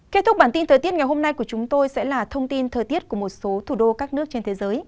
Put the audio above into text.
kết thúc bản tin thời tiết ngày hôm nay của chúng tôi sẽ là thông tin thời tiết của một số thủ đô các nước trên thế giới